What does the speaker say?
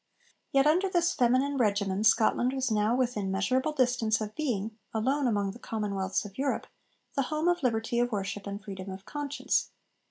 Yet under this feminine 'regimen' Scotland was now within measurable distance of being, alone among the commonwealths of Europe, the home of liberty of worship and freedom of conscience.